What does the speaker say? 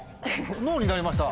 「Ｎｏ」になりました！